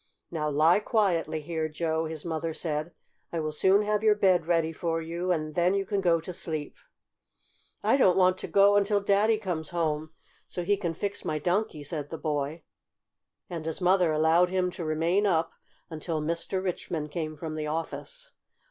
"Now lie quietly here, Joe," his mother said. "I will soon have your bed ready for you, and then you can go to sleep." "I don't want to go until Daddy comes home, so he can fix my Donkey," said the boy, and his mother allowed him to remain up until Mr. Richmond came from the office.